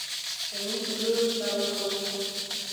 زمونږ په لور لو کوو